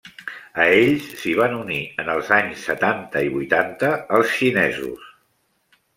A ells s'hi van unir, en els anys setanta i vuitanta, els xinesos.